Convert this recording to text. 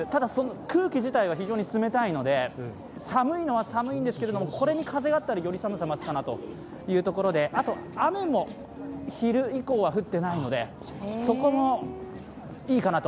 空気自体は非常に冷たいので寒いのは寒いんですけれどもこれに風あったらより寒さ増すかなというところであと、雨も昼以降は降っていないので、そこもいいかなと。